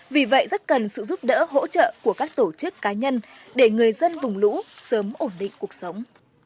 vì vậy rất cần sự giúp đỡ hỗ trợ của các tổ chức cá nhân để người dân vùng lũ sớm ổn định cuộc sống